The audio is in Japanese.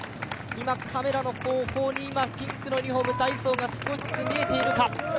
今、カメラの後方にピンクのユニフォーム、ダイソーが少しずつ見えているか。